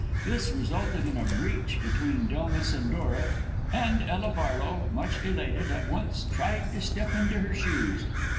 This resulted in a breach between Delmas and Dora, and Ella Barlow, much elated, at once tried to step into her shoes.